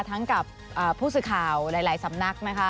กับผู้สื่อข่าวหลายสำนักนะคะ